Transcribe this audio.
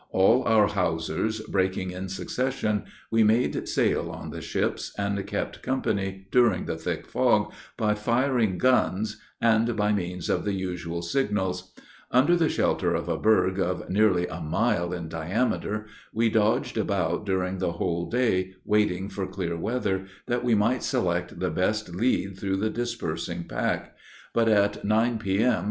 All our hawsers breaking in succession, we made sail on the ships, and kept company, during the thick fog, by firing guns, and by means of the usual signals: under the shelter of a berg of nearly a mile in diameter, we dodged about during the whole day, waiting for clear weather, that we might select the best lead through the dispersing pack; but at nine P.M.